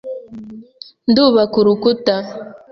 Ndubaka urukuta.